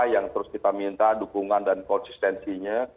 yang terus kita minta dukungan dan konsistensinya